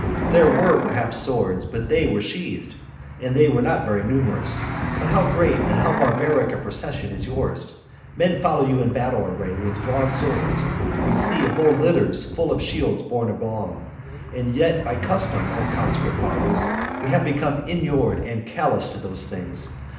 There were perhaps swords, but they were sheathed, and they were not very numerous. But how great and how barbaric a procession is yours! Men follow you in battle array with drawn swords; we see whole litters full of shields borne along. And yet by custom, O conscript fathers, we have become inured and callous to these things.